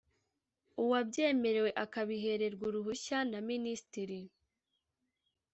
Uwabyemerewe akabihererwa uruhushya na Minisitiri